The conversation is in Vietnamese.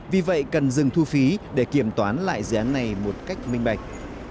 vì vậy cần dừng thu phí để kiểm toán lại dự án này một cách minh bạch